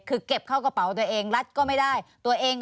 คือเก็บเข้ากระเป๋าตัวเอง